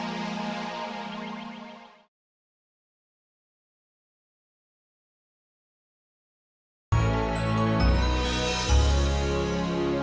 sit harus mencukupi kebutuhan kita